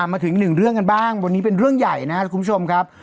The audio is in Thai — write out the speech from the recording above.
มาถึงหนึ่งเรื่องกันบ้างวันนี้เป็นเรื่องใหญ่นะครับคุณผู้ชมครับ